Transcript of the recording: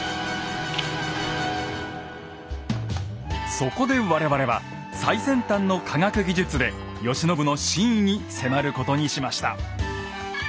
そこで我々は最先端の科学技術で慶喜の真意に迫ることにしました。